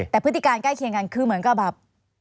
แต่พฤติการใกล้เคียงกันคือเหมือนกับแบบ